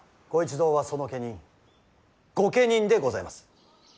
ご一同はその家人御家人でございます。